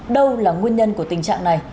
đâu là nguyên nhân của tình trạng này